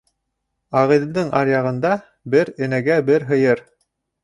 Ағиҙелдең аръяғында бер энәгә бер һыйыр.